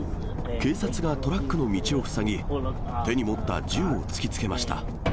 警察がトラックの道を塞ぎ、手に持った銃を突きつけました。